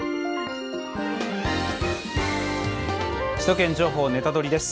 「首都圏情報ネタドリ！」です。